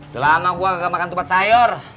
selama gua gak makan ketupat sayur